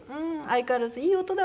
相変わらずいい音だな！」